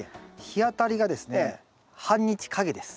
日当たりがですね半日陰です。